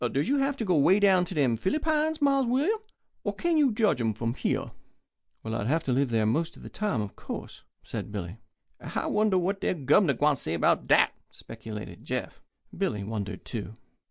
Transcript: Does you have to go way down to dem Fillypines, Mars William, or kin you judge 'em from here?" "I'd have to live there most of the time, of course," said Billy. "I wonder what de Gubnor gwine say 'bout dat," speculated Jeff. Billy wondered too.